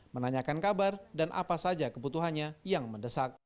menanyakan kabar dan apa saja kebutuhannya yang mendesak